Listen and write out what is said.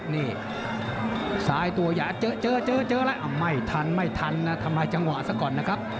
นี่ซ้ายตัวอย่าเจอเจอแล้วไม่ทันไม่ทันนะทำลายจังหวะซะก่อนนะครับ